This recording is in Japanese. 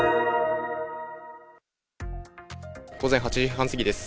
午前８時半過ぎです。